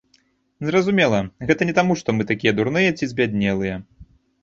Зразумела, гэта не таму што мы такія дурныя ці збяднелыя!